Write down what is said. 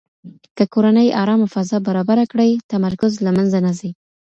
که کورنۍ ارامه فضا برابره کړي، تمرکز له منځه نه ځي.